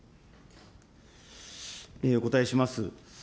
お答えします。